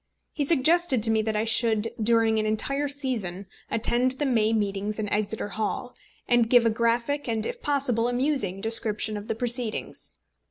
He suggested to me that I should during an entire season attend the May meetings in Exeter Hall, and give a graphic and, if possible, amusing description of the proceedings.